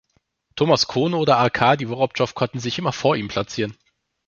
Thomas Kono oder Arkadi Worobjow konnten sich immer vor ihm platzieren.